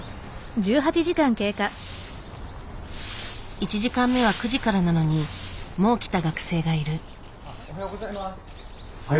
１時間目は９時からなのにもう来た学生がいる。